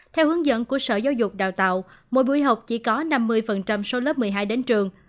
theo hướng dẫn của sở giáo dục đào tạo mỗi buổi học chỉ có năm mươi số lớp một mươi hai đến trường